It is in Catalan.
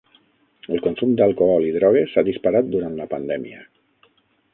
El consum d'alcohol i drogues s'ha disparat durant la pandèmia.